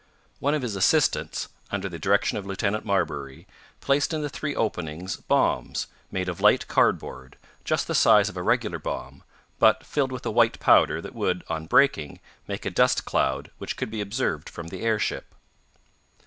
One of his assistants, under the direction of Lieutenant Marbury, placed in the three openings bombs, made of light cardboard, just the size of a regular bomb, but filled with a white powder that would, on breaking, make a dust cloud which could be observed from the airship.